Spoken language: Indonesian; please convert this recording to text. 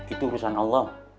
itu urusan allah